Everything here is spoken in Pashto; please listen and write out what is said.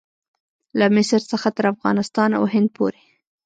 له مصر څخه تر افغانستان او هند پورې.